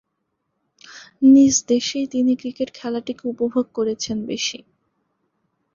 নিজ দেশেই তিনি ক্রিকেট খেলাটিকে উপভোগ করেছেন বেশি।